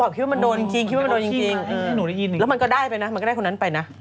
แล้วมันก็ได้ไปนะ